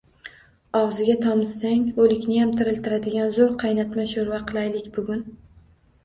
Og‘ziga tomizsang, o‘likniyam tiriltiradigan zo‘r qaynatma sho‘rva qilaylik bugun